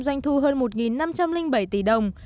doanh thu hơn một năm trăm linh bảy tỷ đồng